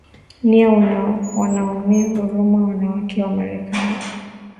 nina waonea huruma wanawake wa Marekani